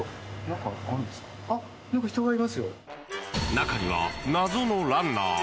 中には謎のランナー。